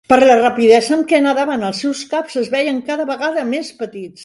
Per la rapidesa amb què nedaven, els seus caps es veien cada vegada més petits.